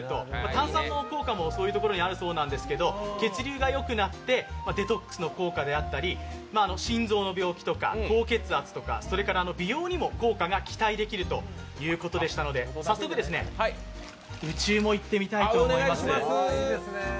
炭酸の効果もそういうところにあるそうなんですけど、血流がよくなって、デトックスの効果であったり心臓の病気とか高血圧とか美容にも効果が期待できるということでしたので早速、内湯も行ってみたいと思います。